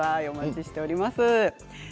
お待ちしています。